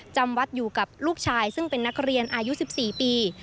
จำวัดอยู่กับลูกชายซึ่งเป็นนักเรียนอายุ๑๔ปี